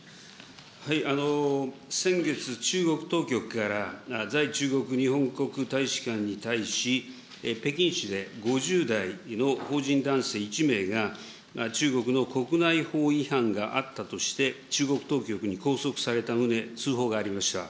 先月、中国当局から在中国日本国大使館に対し、北京市で５０代の邦人男性１名が、中国の国内法違反があったとして、中国当局に拘束された旨、通報がありました。